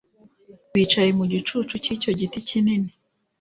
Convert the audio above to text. Bicaye mu gicucu cyicyo giti kinini